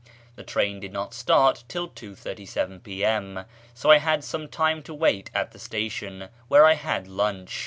The train did not start till 2.37 p.m., so I had some time to wait at the station, where I had lunch.